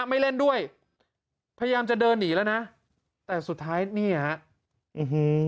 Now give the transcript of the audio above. ไม่เล่นด้วยพยายามจะเดินหนีแล้วนะแต่สุดท้ายนี่ฮะอื้อหือ